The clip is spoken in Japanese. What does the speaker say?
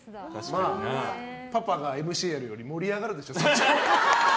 パパがＭＣやるより盛り上がるでしょ。